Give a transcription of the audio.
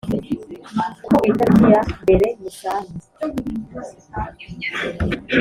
ku itariki ya mberenisani